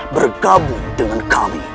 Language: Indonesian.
bergabung dengan kami